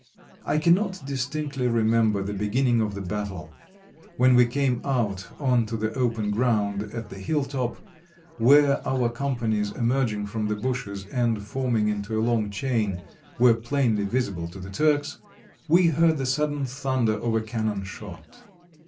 I cannot distinctly remember the beginning of the battle. When we came out on to the open ground at the hilltop, where our companies, emerging from the bushes, and forming into a long chain, were plainly visible to the Turks, we heard the sudden thunder of a cannon shot.